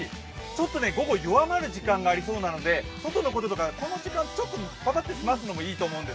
ちょっと午後、弱まる時間がありそうなので、外のこととか、この時間、パパッと済ますのもいいかもしれません。